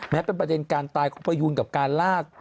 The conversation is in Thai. เป็นประเด็นการตายของพยูนกับการลาด